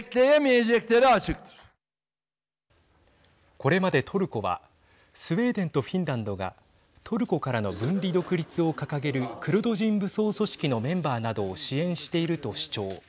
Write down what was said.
これまでトルコはスウェーデンとフィンランドがトルコからの分離独立を掲げるクルド人武装組織のメンバーなどを支援していると主張。